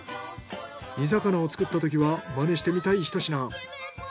煮魚を作ったときはマネしてみたいひと品。